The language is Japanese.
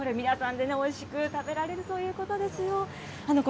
これ皆さんでね、おいしく食べられるということですよ。